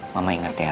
mama ingat ya